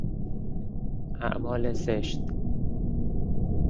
اعمال زشت